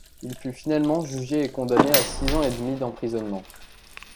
Il fut finalement jugé et condamné à six ans et demi d'emprisonnement.